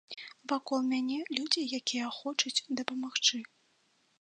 Вакол мяне людзі, якія хочуць дапамагчы.